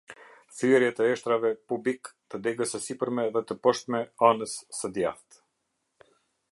Thyerje të eshtrave pubik të degës së sipërme dhe të poshtme, anës së djathtë.